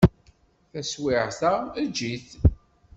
Taswiɛt-a, eǧǧ-it.